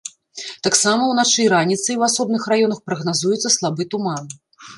Таксама ўначы і раніцай у асобных раёнах прагназуецца слабы туман.